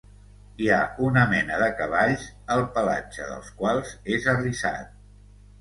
Hi ha una mena de cavalls el pelatge dels quals és arrissat.